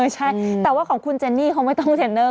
ใช่แต่ว่าของคุณเจนนี่เขาไม่ต้องเทรนเนอร์